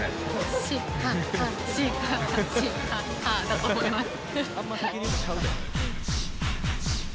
だと思います